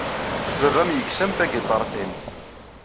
Baba-m yekkes-am tagiṭart-nnem.